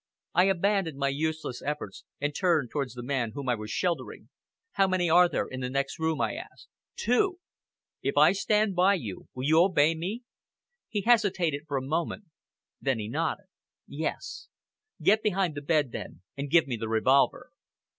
I abandoned my useless efforts, and turned towards the man whom I was sheltering. "How many are there in the next room?" I asked. "Two!" "If I stand by you, will you obey me?" He hesitated for a moment. Then he nodded. "Yes!" "Get behind the bed then, and give me the revolver."